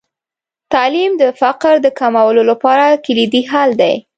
تعلیم د فقر د کمولو لپاره کلیدي حل دی.